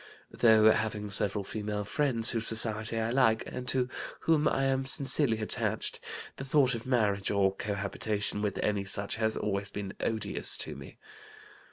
Though having several female friends, whose society I like and to whom I am sincerely attached, the thought of marriage or cohabitation with any such has always been odious to me.